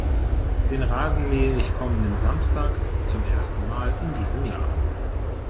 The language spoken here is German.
Den Rasen mähe ich kommenden Samstag zum ersten Mal in diesem Jahr.